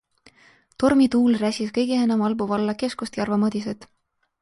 Tormituul räsis kõige enam Albu valla keskust Järva-Madiset.